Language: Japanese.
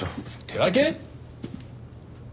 手分け？